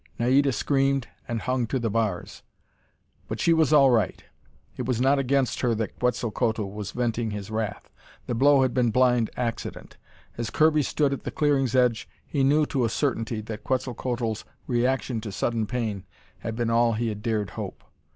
Naida screamed and hung to the bars. But she was all right. It was not against her that Quetzalcoatl was venting his wrath: the blow had been blind accident. As Kirby stood at the clearing's edge, he knew to a certainty that Quetzalcoatl's reaction to sudden pain had been all he had dared hope.